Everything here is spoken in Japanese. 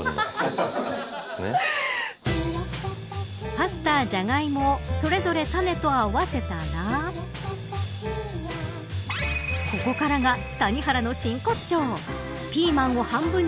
パスタ、ジャガイモをそれぞれタネと合わせたらここからが谷原の真骨頂。